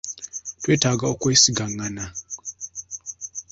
Twetaaga okwesigangana.